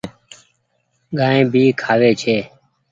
گآئي ڀي کآوي ڇي۔